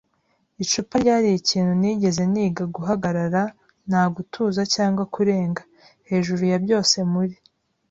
icupa ryari ikintu ntigeze niga guhagarara nta gutuza cyangwa kurenga, hejuru ya byose muri